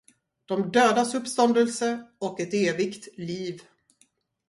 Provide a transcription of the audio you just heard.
de dödas uppståndelse och ett evigt liv.